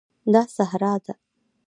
دا صحرا ده